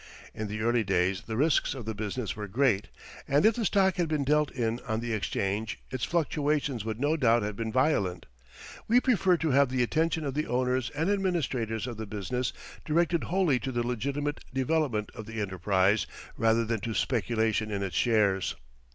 In the early days the risks of the business were great, and if the stock had been dealt in on the Exchange its fluctuations would no doubt have been violent. We preferred to have the attention of the owners and administrators of the business directed wholly to the legitimate development of the enterprise rather than to speculation in its shares.